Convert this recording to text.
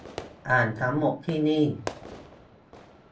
อ่านทั้งหมดที่นี่